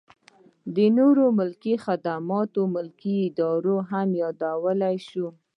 د نورو ملکي خدماتو ملي ادارې هم یادولی شو.